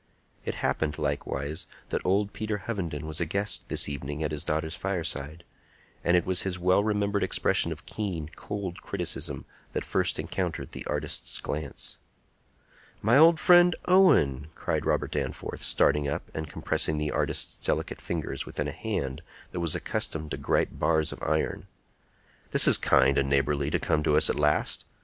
It happened, likewise, that old Peter Hovenden was a guest this evening at his daughter's fireside, and it was his well remembered expression of keen, cold criticism that first encountered the artist's glance. "My old friend Owen!" cried Robert Danforth, starting up, and compressing the artist's delicate fingers within a hand that was accustomed to gripe bars of iron. "This is kind and neighborly to come to us at last.